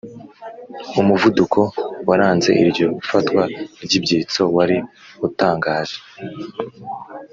umuvuduko waranze iryo fatwa ry'ibyitso wari utangaje.